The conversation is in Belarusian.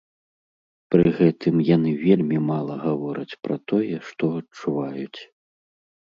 Пры гэтым яны вельмі мала гавораць пра тое, што адчуваюць.